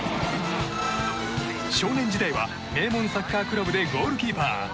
少年時代は名門サッカークラブでゴールキーパー。